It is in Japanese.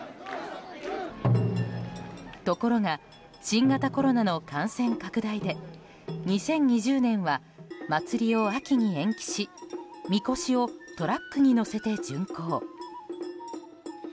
ところが新型コロナの感染拡大で２０２０年は祭りを秋に延期しみこしをトラックに載せて巡行。